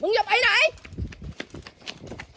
นั่งลงไปดี๋วนี้